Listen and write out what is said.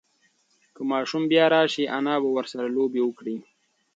که ماشوم بیا راشي، انا به ورسره لوبه وکړي.